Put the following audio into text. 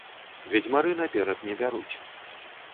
Ведзьмары наперад не бяруць.